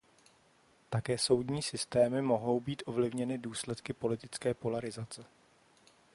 Také soudní systémy mohou být ovlivněny důsledky politické polarizace.